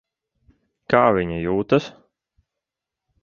Kā viņa jūtas?